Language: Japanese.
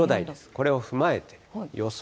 これを踏まえて予想